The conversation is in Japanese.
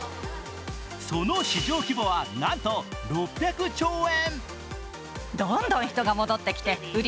その市場規模はなんと６００兆円。